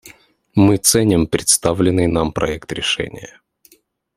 Мы ценим представленный нам проект решения.